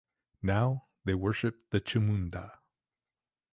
Now they worshipped the Chamunda.